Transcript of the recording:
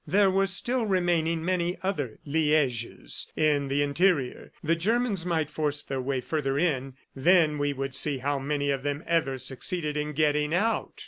There were still remaining many other Lieges in the interior. The Germans might force their way further in; then we would see how many of them ever succeeded in getting out.